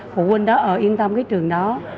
phụ huynh đó ở yên tâm cái trường đó